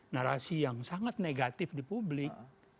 narasi yang sangat negatif di publik